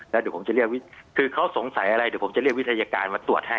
แล้วเดี๋ยวผมจะเรียกคือเขาสงสัยอะไรเดี๋ยวผมจะเรียกวิทยาการมาตรวจให้